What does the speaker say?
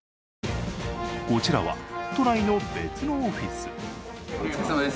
こちらは都内の別のオフィス。